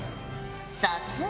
さすが。